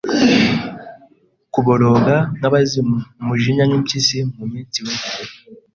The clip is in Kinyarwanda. Kuboroga nkabazimu umujinya nkimpyisi Mumunsi wintry